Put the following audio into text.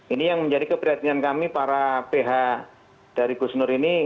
ini yang menjadi keberhatian kami para pihak dari gus nur ini